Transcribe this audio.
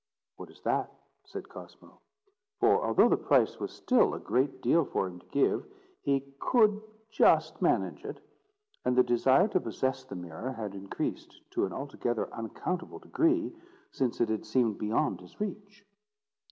"What is that?" said Cosmo; for, although the price was still a great deal for him to give, he could just manage it; and the desire to possess the mirror had increased to an altogether unaccountable degree, since it had seemed beyond his reach.